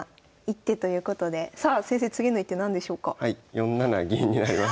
４七銀になります。